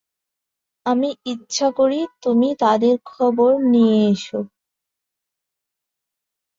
আমি ইচ্ছা করি তুমি তাঁদের খবর নিয়ে এসো।